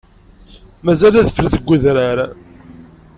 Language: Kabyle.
Mazal adfel deg udrar.